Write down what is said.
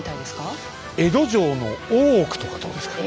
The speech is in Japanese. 江戸城の大奥とかどうですか？